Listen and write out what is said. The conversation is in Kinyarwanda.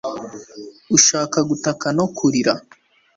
ushaka gutaka no kurira